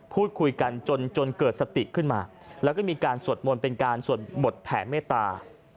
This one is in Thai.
พูดคุยกันจนจนเกิดสติขึ้นมาแล้วก็มีการสวดมนต์เป็นการสวดบทแผ่เมตตา